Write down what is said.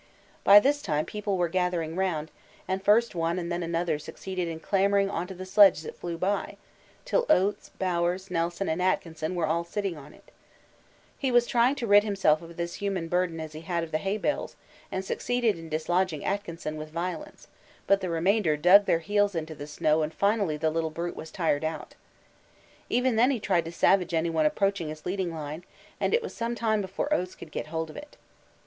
By this time people were gathering round, and first one and then another succeeded in clambering on to the sledge as it flew by, till Oates, Bowers, Nelson, and Atkinson were all sitting on it. He tried to rid himself of this human burden as he had of the hay bales, and succeeded in dislodging Atkinson with violence, but the remainder dug their heels into the snow and finally the little brute was tired out. Even then he tried to savage anyone approaching his leading line, and it was some time before Oates could get hold of it.